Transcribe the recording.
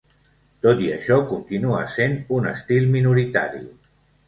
Tot i això, continua sent un estil minoritari.